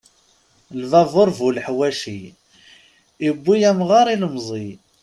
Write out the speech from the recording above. Lbabur bu leḥwaci, iwwi amɣar ilemẓi.